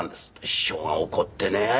師匠が怒ってね。